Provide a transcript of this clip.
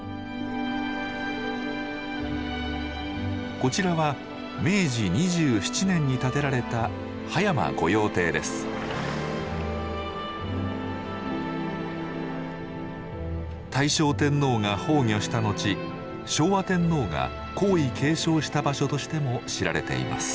こちらは明治２７年に建てられた大正天皇が崩御したのち昭和天皇が皇位継承した場所としても知られています。